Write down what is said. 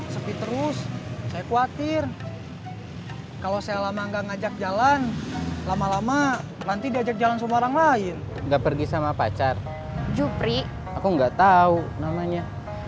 sampai jumpa di video selanjutnya